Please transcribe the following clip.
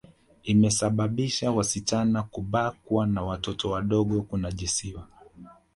Imesababisha wasichana kubakwa na watoto wadogo kunajisiwa